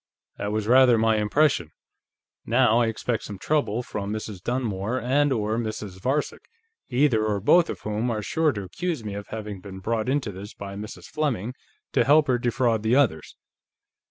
"That was rather my impression. Now, I expect some trouble, from Mrs. Dunmore and/or Mrs. Varcek, either or both of whom are sure to accuse me of having been brought into this by Mrs. Fleming to help her defraud the others.